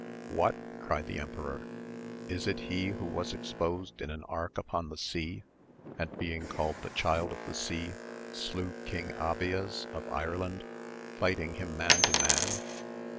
What ! cried the emperor, is it he who was exposed in an ark* upon the sea, and being called the Child of the Sea slew King Abies of AMADIS OF GAUL. 299 Ireland, fighting him man to man